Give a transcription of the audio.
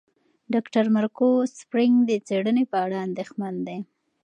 ډاکټر مارکو سپرینګ د څېړنې په اړه اندېښمن دی.